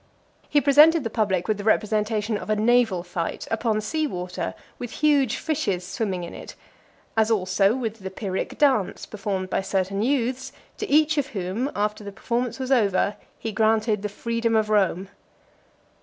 He presented the public with the representation of a naval fight, upon sea water, with huge fishes swimming in it; as also with the Pyrrhic dance, performed by certain youths, to each of whom, after the performance was over, he granted the freedom of Rome.